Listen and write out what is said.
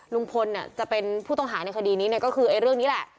ลุงพลจะเป็นผู้ต้องหาในคดีนี้เนี่ยก็คือเรื่องนี้แหละ